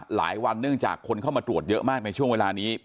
หลายวันเนื่องจากคนเข้ามาตรวจเยอะมากในช่วงเวลานี้